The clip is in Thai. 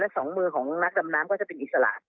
สองมือของนักดำน้ำก็จะเป็นอิสระ